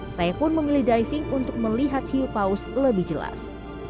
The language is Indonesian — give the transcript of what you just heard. saya pun memilih diving untuk melihat hiupaus lebih jelas